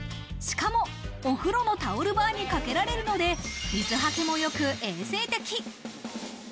しかも、お風呂のタオルバーにかけられるので、水はけもよく衛生的。